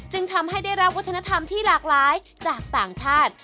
จึงทำให้ได้รับวัฒนธรรมที่หลากหลายจากต่างชาติ